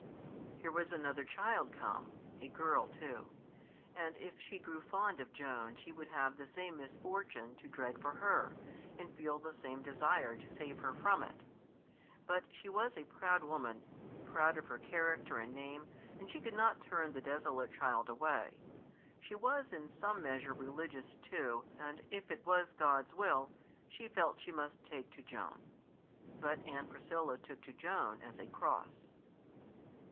Here was another child come, a girl too; and if she grew fond of Joan she would have the same misfortune to dread for her, and feel the same desire to save her from it. But she was a proud woman, proud of her character and name, and she could not turn the desolate child away. She was in some measure religious too, and if it was God's will, she felt she must take to Joan. But Aunt Priscilla took to Joan as a cross.